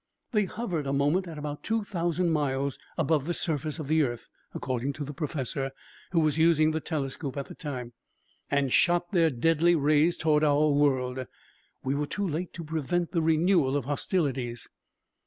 They hovered a moment at about two thousand miles above the surface of the earth, according to the professor, who was using the telescope at the time, and shot their deadly rays toward our world. We were too late to prevent the renewal of hostilities!